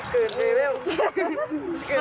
เกินเลย